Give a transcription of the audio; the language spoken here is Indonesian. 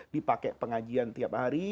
dipakai pengajian tiap hari